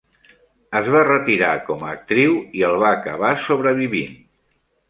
Es va retirar com a actriu i el va acabar sobrevivint.